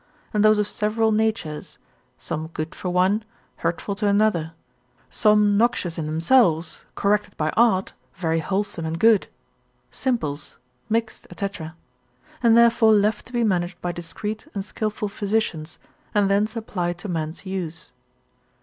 and those of several natures, some good for one, hurtful to another: some noxious in themselves, corrected by art, very wholesome and good, simples, mixed, &c., and therefore left to be managed by discreet and skilful physicians, and thence applied to man's use.